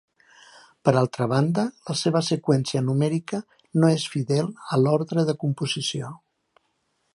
Per altra banda, la seva seqüència numèrica no és fidel a l'ordre de composició.